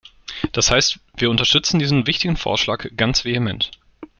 Das heißt, wir unterstützen diesen wichtigen Vorschlag ganz vehement.